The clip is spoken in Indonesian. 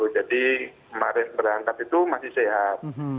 kemarin berangkat itu masih sehat